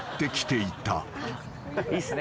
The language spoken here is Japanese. いいっすね。